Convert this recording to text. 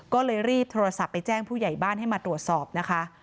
ก็เลยรีบโทรศัพท์ไปแจ้งผู้ใหญ่บ้านให้มาตรวจสอบนะคะ